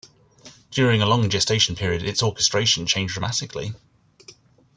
During a long gestation period its orchestration changed dramatically.